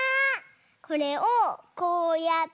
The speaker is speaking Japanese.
これをこうやって。